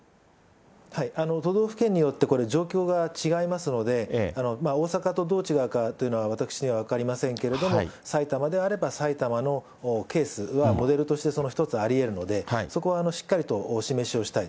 都道府県によってこれ、状況が違いますので、大阪とどう違うかというのは、私には分かりませんけれども、埼玉であれば埼玉のケースは、モデルとして一つありえるので、そこはしっかりとお示しをしたい。